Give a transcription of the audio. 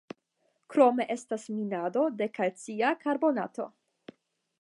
Krome estas minado de kalcia karbonato.